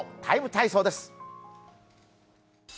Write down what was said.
「ＴＩＭＥ，体操」です。